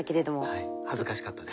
はい恥ずかしかったです。